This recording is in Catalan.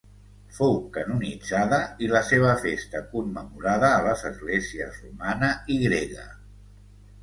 Fou canonitzada i la seva festa commemorada a les esglésies romana i grega.